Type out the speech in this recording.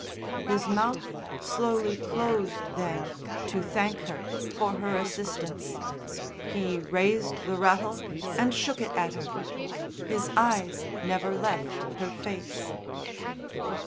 His mouth slowly closed then to thank her for her assistance, he raised the rattle and shook it at her. His eyes never left her face.